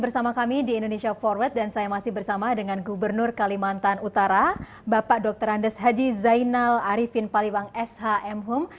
bersama kami di indonesia forward dan saya masih bersama dengan gubernur kalimantan utara bapak dr andes haji zainal arifin paliwang shm hum